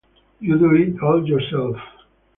You do it all yourself.